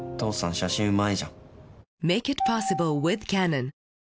写真うまいじゃん。